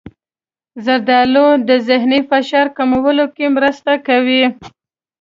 زردالو د ذهني فشار کمولو کې مرسته کوي.